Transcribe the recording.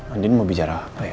andin mau bicara apa ya